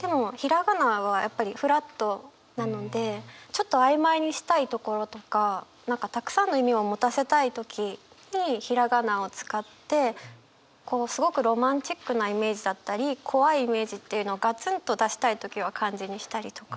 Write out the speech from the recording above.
でもひらがなはやっぱりフラットなのでちょっと曖昧にしたいところとか何かたくさんの意味を持たせたい時にひらがなを使ってすごくロマンチックなイメージだったり怖いイメージっていうのをガツンと出したい時は漢字にしたりとか。